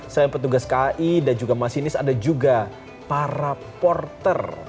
selain petugas kai dan juga masinis ada juga para porter